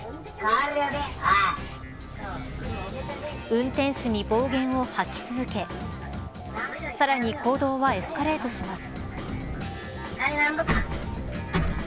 運転手に暴言を吐き続けさらに行動はエスカレートします。